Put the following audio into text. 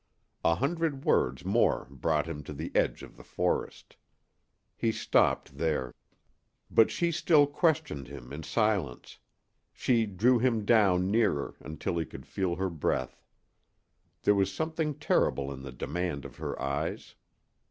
A hundred words more brought him to the edge of the forest. He stopped there. But she still questioned him in silence. She drew him down nearer, until he could feel her breath. There was something terrible in the demand of her eyes.